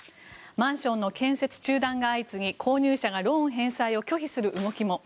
マンションの建設中断が相次ぎ購入者がローン返済を拒否する動きも。